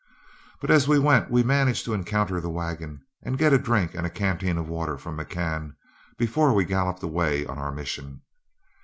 But as we went, we managed to encounter the wagon and get a drink and a canteen of water from McCann before we galloped away on our mission.